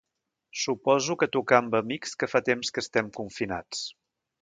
Suposo que tocar amb amics que fa temps que estem confinats.